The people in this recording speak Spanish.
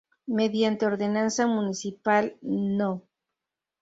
Mediante Ordenanza Municipal No.